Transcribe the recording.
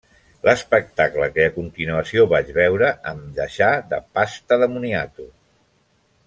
L’espectacle que a continuació vaig veure em deixà de pasta de moniato.